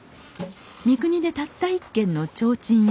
三国でたった一軒の提灯屋さん。